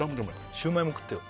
シューマイも食ってよ